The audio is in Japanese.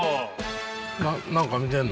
何か見てんの？